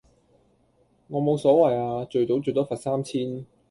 我冇所謂呀，聚賭最多罰三千